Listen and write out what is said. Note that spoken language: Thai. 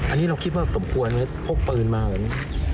อันนี้เราคิดว่าสมควรพกปืนมาหรือไง